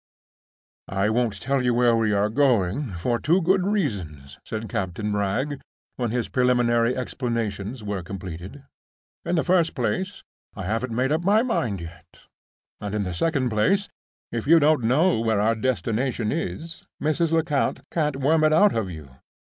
"I won't tell you where we are going, for two good reasons," said Captain Wragge, when his preliminary explanations were completed. "In the first place, I haven't made up my mind yet; and, in the second place, if you don't know where our destination is, Mrs. Lecount can't worm it out of you.